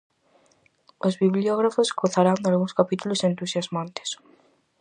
Os bibliógrafos gozarán dalgúns capítulos entusiasmantes.